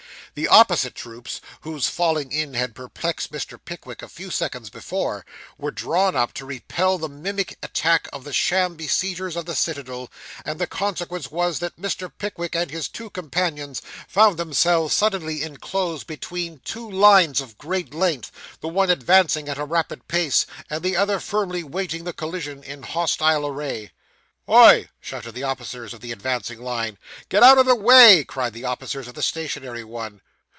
The opposite troops, whose falling in had perplexed Mr. Pickwick a few seconds before, were drawn up to repel the mimic attack of the sham besiegers of the citadel; and the consequence was that Mr. Pickwick and his two companions found themselves suddenly inclosed between two lines of great length, the one advancing at a rapid pace, and the other firmly waiting the collision in hostile array. 'Hoi!' shouted the officers of the advancing line. 'Get out of the way!' cried the officers of the stationary one.